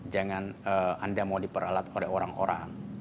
jangan anda mau diperalat oleh orang orang